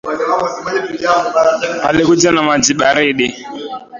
Alikuja na maji baridi